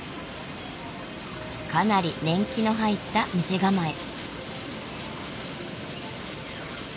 かなり年季の入った店構え。